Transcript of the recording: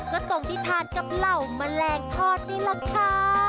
ก็ส่งที่ทานกับเหล่าแมลงทอดนี่แหละค่ะ